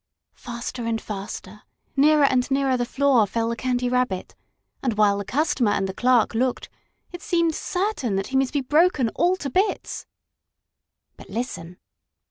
Faster and faster, nearer and nearer to the floor fell the Candy Rabbit, and, while the customer and the clerk looked, it seemed certain that he must be broken all to bits. But listen!